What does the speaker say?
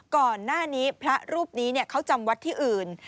ก่อนหน้านี้พระรูปนี้เขาจำวัดที่อื่น